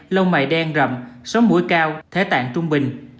lông mày đen rậm sóng mũi cao thế tạng trung bình